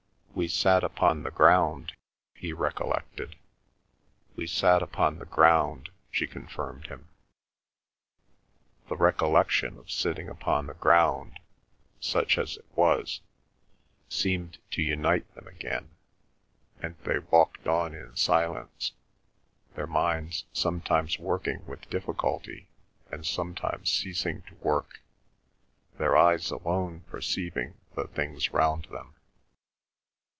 "We sat upon the ground," he recollected. "We sat upon the ground," she confirmed him. The recollection of sitting upon the ground, such as it was, seemed to unite them again, and they walked on in silence, their minds sometimes working with difficulty and sometimes ceasing to work, their eyes alone perceiving the things round them.